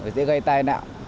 dễ gây tai nạo